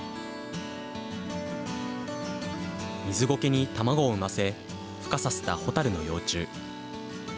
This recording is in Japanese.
ミズゴケに卵を産ませ、ふ化させたホタルの幼虫。